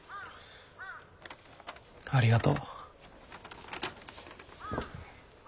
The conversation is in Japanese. ありがとう。